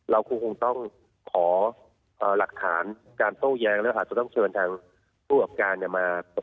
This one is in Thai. เราคงต้องขอหลักฐานการโต้แย้งแล้วอาจจะต้องเชิญทางผู้กับการมา